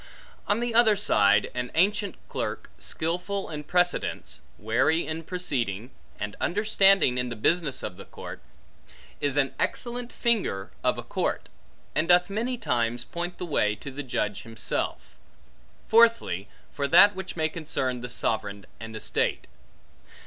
On the other side, an ancient clerk, skilful in precedents, wary in proceeding, and understanding in the business of the court, is an excellent finger of a court; and doth many times point the way to the judge himself. Fourthly, for that which may concern the sovereign and estate.